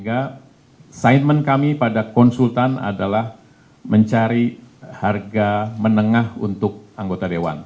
saya pada konsultan adalah mencari harga menengah untuk anggota dewan